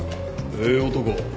ええ男。